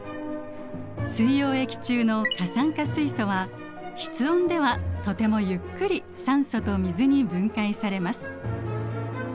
水溶液中の過酸化水素は室温ではとてもゆっくり酸素と水に分解されます。